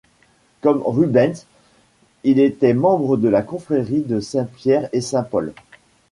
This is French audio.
Comme Rubens, il était membre de la confrérie de Saint-Pierre et Saint-Paul.